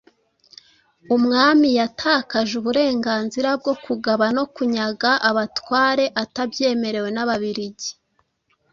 umwami yatakaje uburenganzira bwo kugaba no kunyaga abatware atabyemerewe n'Ababiligi